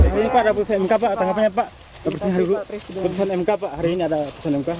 hari ini ada putusan mk pak hari ini ada putusan mk pak